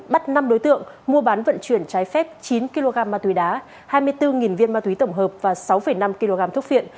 bắt năm đối tượng mua bán vận chuyển trái phép chín kg ma túy đá hai mươi bốn viên ma túy tổng hợp và sáu năm kg thuốc viện